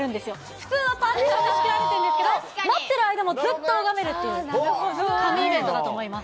普通はパーティションで仕切られてるんですけれども、待ってる間も、ずっとおがめるっていう、神イベントだと思います。